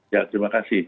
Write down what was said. ya terima kasih